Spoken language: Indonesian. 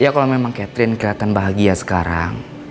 ya kalau memang catherine kelihatan bahagia sekarang